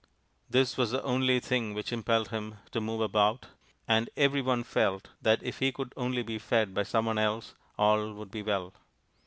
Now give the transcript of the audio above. This was the only thing which impelled him to move about, and every one felt that if he could only be fed by some one else all would be well.